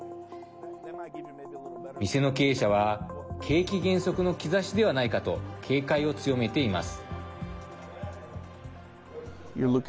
店の経営者は景気減速の兆しではないかと警戒を強めています。